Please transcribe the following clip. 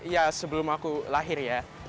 ya sebelum aku lahir ya